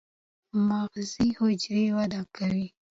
مغزي حجرې وده کوي.